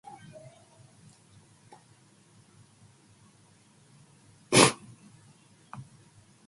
Gabriel accepts this story, but still does not trust Mark, so Mark leaves angrily.